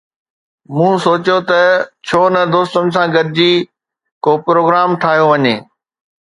مون سوچيو ته ڇو نه دوستن سان گڏجي ڪو پروگرام ٺاهيو وڃي